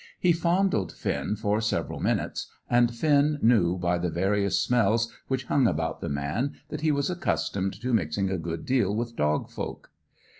He fondled Finn for several minutes, and Finn knew by the various smells which hung about the man that he was accustomed to mixing a good deal with dog folk.